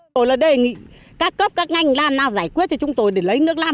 tôi là đề nghị các cấp các ngành làm nào giải quyết thì chúng tôi để lấy nước làm